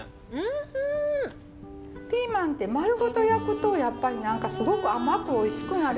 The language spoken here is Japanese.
ピーマンって丸ごと焼くとやっぱり何かすごく甘くおいしくなる。